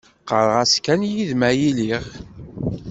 Qqareɣ-as kan yid-m ad iliɣ.